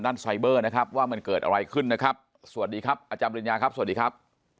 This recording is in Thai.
ไซเบอร์นะครับว่ามันเกิดอะไรขึ้นนะครับสวัสดีครับอาจารย์ปริญญาครับสวัสดีครับ